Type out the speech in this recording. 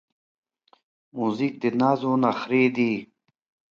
موزیک د نازو نخری دی.